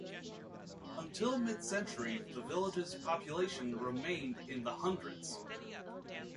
Until midcentury, the village's population remained in the hundreds.